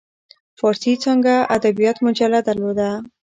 فارسي څانګه ادبیات مجله درلوده.